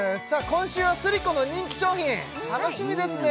今週はスリコの人気商品楽しみですね